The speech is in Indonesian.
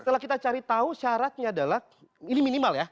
setelah kita cari tahu syaratnya adalah ini minimal ya